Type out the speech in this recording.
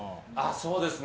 そうですね。